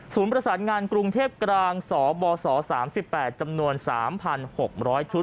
ประสานงานกรุงเทพกลางสบส๓๘จำนวน๓๖๐๐ชุด